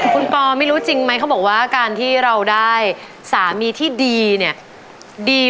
คุณปอไม่รู้จริงไหมเขาบอกว่าการที่เราได้สามีที่ดีเนี่ยดี